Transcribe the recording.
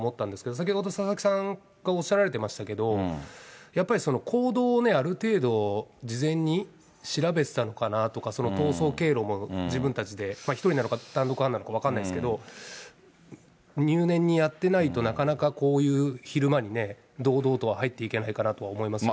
先ほど、佐々木さんがおっしゃられてましたけど、やっぱり行動をある程度、事前に調べてたのかなとか、逃走経路も自分たちで、１人なのか、単独犯なのか分かんないですけれども、入念にやってないと、なかなかこういう昼間に堂々とは入っていけないかなと思いますね。